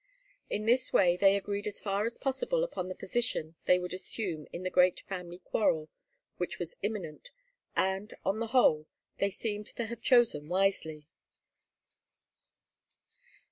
In this way they agreed as far as possible upon the position they would assume in the great family quarrel which was imminent, and, on the whole, they seemed to have chosen wisely.